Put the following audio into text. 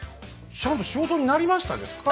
ちゃんと仕事になりましたですか？